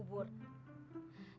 nah kalo lo lihat aja dia jon